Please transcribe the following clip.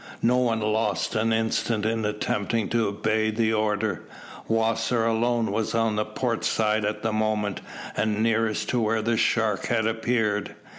No one lost an instant in attempting to obey the order. Wasser alone was on the port side at the moment, and nearest to where the shark had appeared.